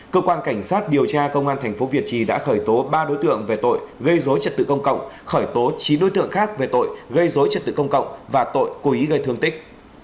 cơ quan cảnh sát điều tra công an tp việt trì đã khởi tố ba đối tượng về tội gây dối trật tự công cộng khởi tố chín đối tượng khác về tội gây dối trật tự công cộng và tội cố ý gây thương tích